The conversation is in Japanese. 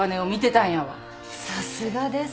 さすがです。